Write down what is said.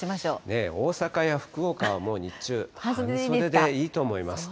大阪や福岡はもう日中、半袖でいいと思います。